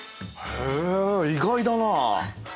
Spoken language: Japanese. へえ意外だな。